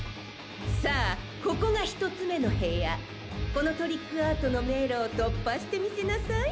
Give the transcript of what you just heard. さあここがひとつめのへやこのトリックアートのめいろをとっぱしてみせなさい。